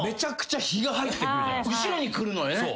後ろに来るのよね。